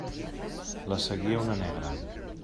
Les seguia una negra.